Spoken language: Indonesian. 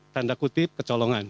tanda kutip kecolongan